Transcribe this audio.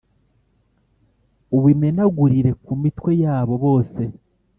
ubimenagurire ku mitwe yabo bose